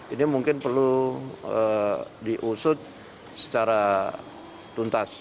ini mungkin perlu diusut secara tuntas